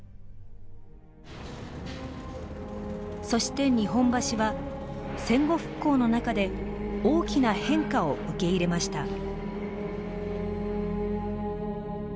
そして日本橋は戦後復興の中で大きな変化を受け入れました。